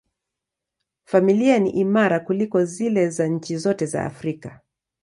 Familia ni imara kuliko zile za nchi zote za Afrika.